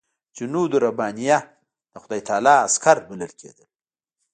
جنودالربانیه د خدای تعالی عسکر بلل کېدل.